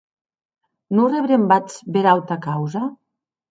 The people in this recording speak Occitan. Non rebrembatz bèra auta causa?